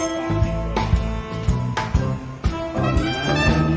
ไม่มี